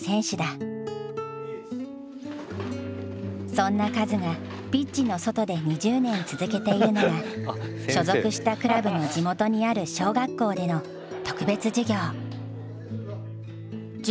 そんなカズがピッチの外で２０年続けているのが所属したクラブの地元にある小学校での特別授業。